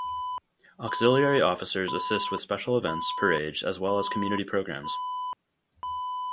Auxiliary Officers assist with special events, parades, as well as community programs.